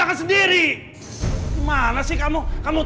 aku udah bilang sama kamu